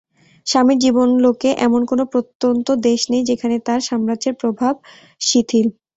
স্বামীর জীবনলোকে এমন কোনো প্রত্যন্তদেশ নেই যেখানে তার সাম্রাজ্যের প্রভাব শিথিল।